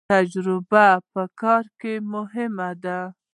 تجربه په کار کې مهمه ده